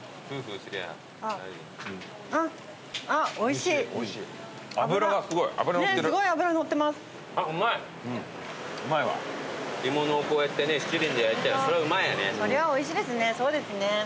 そりゃおいしいですね。